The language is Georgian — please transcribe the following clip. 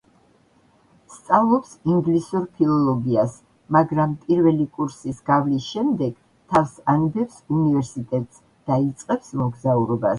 სწავლობს ინგლისურ ფილოლოგიას, მაგრამ პირველი კურსის გავლის შემდეგ თავს ანებებს უნივერსიტეტს და იწყებს მოგზაურობას.